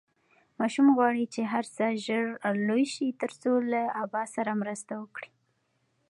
ماشوم غواړي چې هر څه ژر لوی شي ترڅو له ابا سره مرسته وکړي.